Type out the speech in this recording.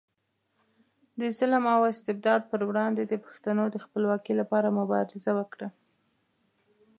د ظلم او استبداد پر وړاندې د پښتنو د خپلواکۍ لپاره مبارزه وکړه.